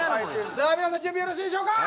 さあ皆さん準備よろしいでしょうか。